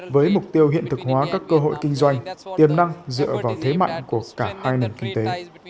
với mục tiêu hiện thực hóa các cơ hội kinh doanh tiềm năng dựa vào thế mạnh của cả hai nền kinh tế